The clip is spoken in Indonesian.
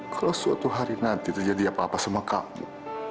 kalau suatu hari nanti terjadi apa apa sama kamu